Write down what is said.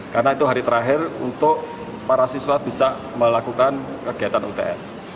karena itu hari terakhir untuk para siswa bisa melakukan kegiatan uts